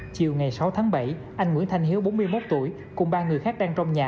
chiều ngày sáu tháng bảy anh nguyễn thanh hiếu bốn mươi một tuổi cùng ba người khác đang trong nhà